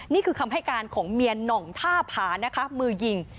นี่คือคำให้การของเมียหน่องท่าผานะคะมือยิง